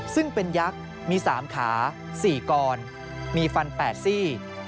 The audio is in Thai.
ซึ่งเป็นยักษ์มี๓ขา๔กรมีฟัน๘ซี่